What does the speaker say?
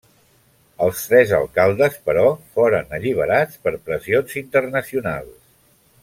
Els tres alcaldes, però, foren alliberats per pressions internacionals.